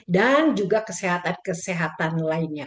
juga kesehatan kesehatan lainnya